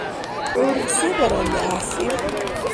Гӏур се баралли гӏяхӏсив?